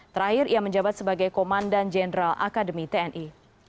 terakhir ia menjabat sebagai komandan jenderal akademi tni